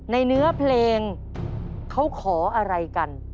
เนื้อเพลงเขาขออะไรกัน